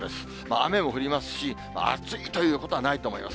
雨も降りますし、暑いということはないと思います。